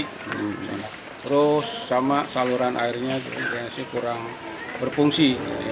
terus sama saluran airnya sih kurang berfungsi